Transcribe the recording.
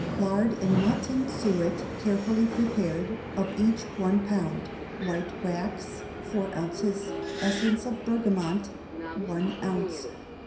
Lard and mutton suet carefully prepared, of each one pound; white wax, four ounces; essence of bergamot, one ounce.